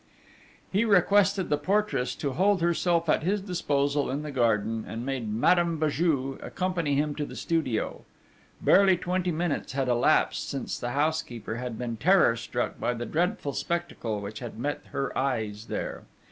He requested the portress to hold herself at his disposal in the garden, and made Madame Béju accompany him to the studio. Barely twenty minutes had elapsed since the housekeeper had been terror struck by the dreadful spectacle which had met her eyes there.